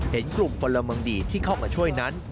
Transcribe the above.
เห็นกลุ่มพลเมืองดีที่เข้ามาช่วยนั้น